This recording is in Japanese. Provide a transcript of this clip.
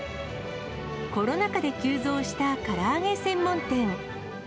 コロナ禍で急増したから揚げ専門店。